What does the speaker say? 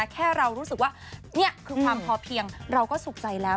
แค่เรารู้สึกว่านี่คือความพอเพียงเราก็สุขใจแล้ว